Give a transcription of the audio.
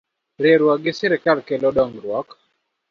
Riwruok gi Sirkal kelo dongruok